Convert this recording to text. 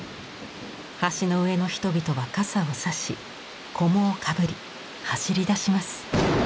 橋の上の人々は傘を差し菰をかぶり走りだします。